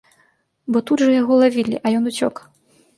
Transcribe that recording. Бо тут жа яго лавілі, а ён уцёк.